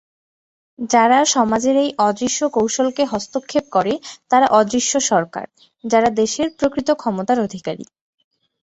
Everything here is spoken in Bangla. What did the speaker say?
যারা সমাজের এই অদৃশ্য কৌশলকে হস্তক্ষেপ করে তারা অদৃশ্য সরকার, যারা দেশের প্রকৃত ক্ষমতার অধিকারী।